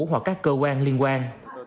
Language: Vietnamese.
hoặc các cơ quan liên quan